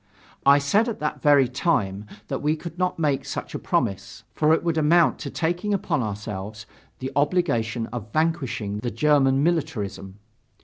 I said at that very time, that we could not make such a promise, for it would amount to taking upon ourselves the obligation of vanquishing the German militarism.